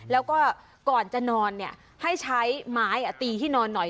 แล้วก็ก่อนจะนอนให้ใช้ไม้ตีที่นอนหน่อย